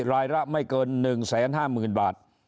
รายละไม่เกิน๑๕๐๐๐บาท